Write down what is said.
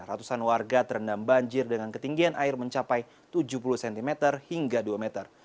ratusan warga terendam banjir dengan ketinggian air mencapai tujuh puluh cm hingga dua meter